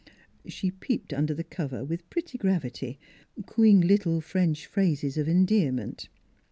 She peeped under the cover with pretty gravity, cooing little French phrases of endearment.